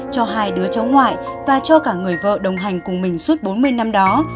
cho hai đứa cháu ngoại và cho cả người vợ đồng hành cùng mình suốt bốn mươi năm đó